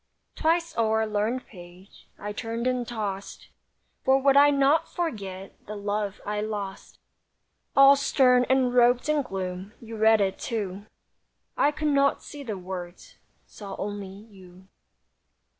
Twice o'er a learned page I turned and tossed, For would I not forget The love I lost. All stern and robed in gloom, You read it too, I could not see the words— Saw only you.